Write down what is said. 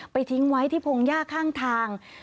ทิ้งไว้ที่พงหญ้าข้างทาง